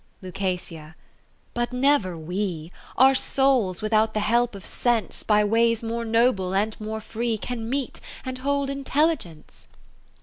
Liic. But never we : Our souls, without the help of Sense, By ways more noble and more free Can meet, and hold intelligence.